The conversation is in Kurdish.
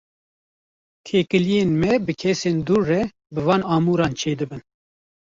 Têkiliyên me bi kesên dûr re, bi van amûran çêdibin.